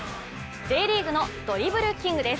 Ｊリーグのドリブルキングです。